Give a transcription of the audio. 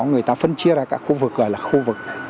người ta phân chia ra các khu vực gọi là khu vực